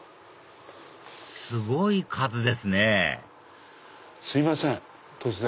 すごい数ですねすいません突然。